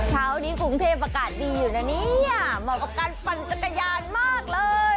เช้านี้กรุงเทพอากาศดีอยู่นะเนี่ยเหมาะกับการปั่นจักรยานมากเลย